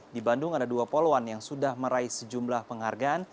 di bandung ada dua poluan yang sudah meraih sejumlah penghargaan